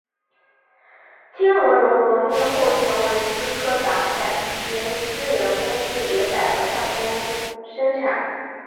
天鹅绒革命后成为斯柯达在一边私人公司也改革它的生产。